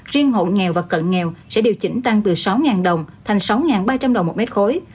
riêng hộ nghèo và cận nghèo sẽ điều chỉnh tăng từ sáu đồng thành sáu ba trăm linh đồng một mét khối